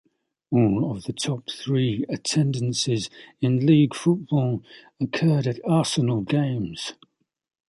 All of the top three attendances in league football occurred at Arsenal games.